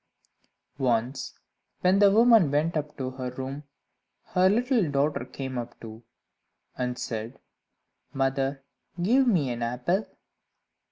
Once, when the woman went up to her room, her little daughter came up too, and said "Mother, give me an apple."